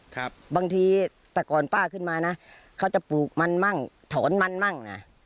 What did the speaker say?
ครับบางทีแต่ก่อนป้าขึ้นมานะเขาจะปลูกมันมั่งถอนมันมั่งน่ะ